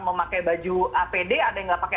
memakai baju apd ada yang nggak pakai